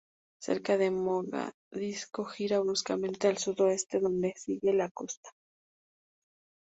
Cerca de Mogadiscio gira bruscamente al sudoeste, donde sigue la costa.